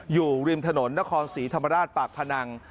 อยู่ริมถนนนครศรีธรรมราชปากพนัง